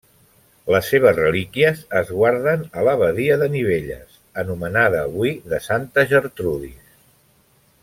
Les seves relíquies es guarden a l'abadia de Nivelles, anomenada avui de Santa Gertrudis.